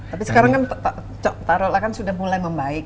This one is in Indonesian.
tapi sekarang kan taruh lah kan sudah mulai membaik